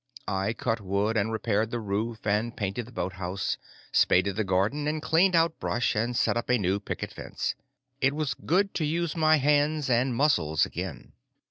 I cut wood and repaired the roof and painted the boathouse, spaded the garden and cleared out brush and set up a new picket fence. It was good to use my hands and muscles again.